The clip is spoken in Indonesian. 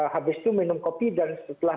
habis itu minum kopi dan setelah